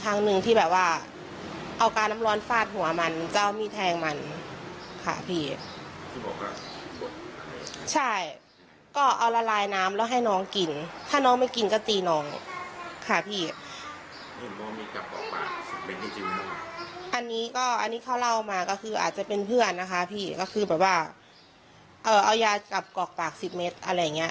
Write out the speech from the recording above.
อันนี้ก็อันนี้เขาเล่ามาก็คืออาจจะเป็นเพื่อนนะคะพี่ก็คือแบบว่าเอ่อเอายากลับกรอกปากสิบเมตรอะไรอย่างเงี้